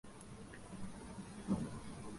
গুলি করো এটাকে।